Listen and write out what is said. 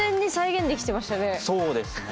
そうですね。